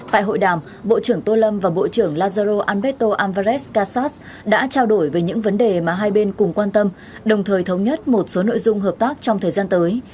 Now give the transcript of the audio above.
tại hội đàm bộ trưởng tô lâm và bộ trưởng lazaro anberto alvarez kasas đã trao đổi về những vấn đề mà hai bên cùng quan tâm đồng thời thống nhất một số nội dung hợp tác trong thời gian tới